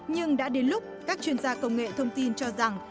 nhưng đã đến lúc các chuyên gia công nghệ thông tin cho rằng